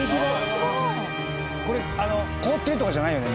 これ凍ってるとかじゃないよね？